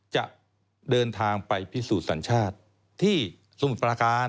จะเดินทางไปพิสูจน์สัญชาติที่สมุทรปราการ